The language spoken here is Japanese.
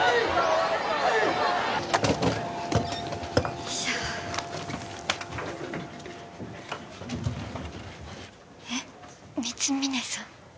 よいしょえっ光峯さん？